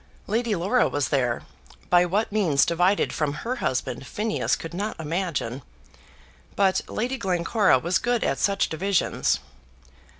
Lady Laura was there; by what means divided from her husband Phineas could not imagine; but Lady Glencora was good at such divisions.